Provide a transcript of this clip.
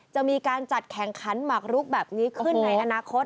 จะมีการจัดแข่งขันหมักลุกแบบนี้ขึ้นในอนาคต